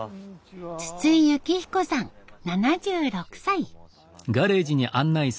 筒井幸彦さん７６歳。